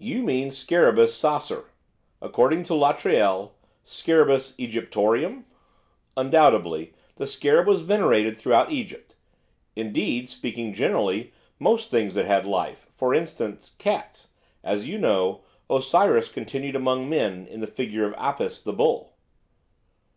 'You mean Scarabaeus sacer, according to Latreille, Scarabaeus Egyptiorum? Undoubtedly, the scarab was venerated throughout Egypt, indeed, speaking generally, most things that had life, for instance, cats; as you know, Orisis continued among men in the figure of Apis, the bull.